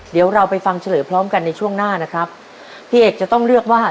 เดี๋ยวเราไปฟังเฉลยพร้อมกันในช่วงหน้านะครับพี่เอกจะต้องเลือกว่า